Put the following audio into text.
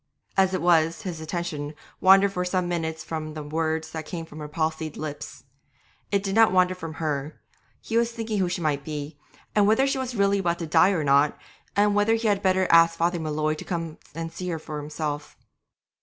As it was, his attention wandered for some minutes from the words that came from her palsied lips. It did not wander from her; he was thinking who she might be, and whether she was really about to die or not, and whether he had not better ask Father M'Leod to come and see her himself.